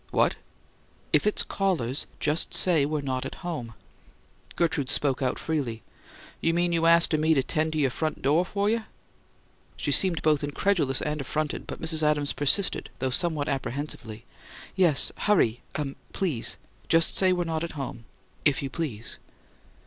"What?" "If it's callers, just say we're not at home." Gertrude spoke out freely: "You mean you astin' me to 'tend you' front do' fer you?" She seemed both incredulous and affronted, but Mrs. Adams persisted, though somewhat apprehensively. "Yes. Hurry uh please. Just say we're not at home if you please."